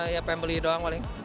ya pengen beli doang paling